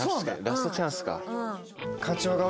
ラストチャンスか。